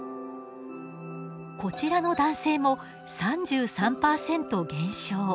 こちらの男性も３３％減少。